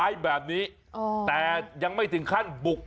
มาครั้งนี้มันจะมากินกินขนุนครับ